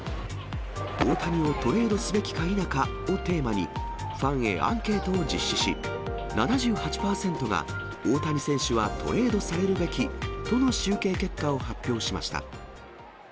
大谷をトレードすべきか否かをテーマに、ファンへアンケートを実施し、７８％が大谷選手はトレードされるべきとの集計結果を発表しました。